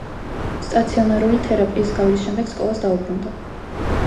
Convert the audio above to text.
სტაციონარული თერაპიის გავლის შემდეგ სკოლას დაუბრუნდა.